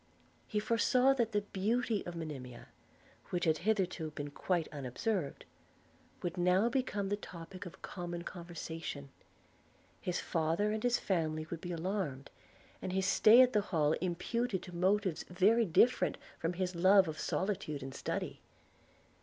He foresaw that the beauty of Monimia, which had hitherto been quite unobserved, would now become the topic of common conversation; his father and his family would be alarmed, and his stay at the Hall imputed to motives very different from his love of solitude and study.